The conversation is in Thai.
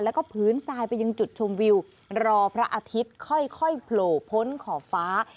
แล้วก็พื้นทรายไปยังจุดชมวิวรอพระอาทิตย์ค่อยโผล่พ้นขอบฟ้า